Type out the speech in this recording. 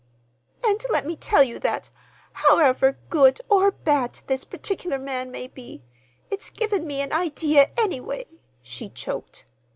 "And let me tell you that, however good or bad this particular man may be, it's given me an idea, anyway," she choked.